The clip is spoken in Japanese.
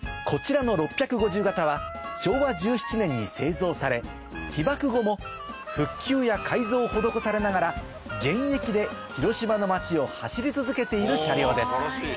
こちらのされ被爆後も復旧や改造を施されながら現役で広島の街を走り続けている車両です